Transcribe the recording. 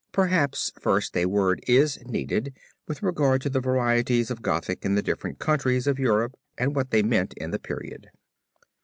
Perhaps first a word is needed with regard to the varieties of Gothic in the different countries of Europe and what they meant in the period.